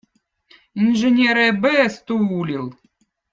inženerõ eb õõ stuulil